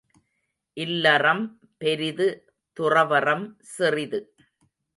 இல்லறம் பெரிது துறவறம் சிறிது.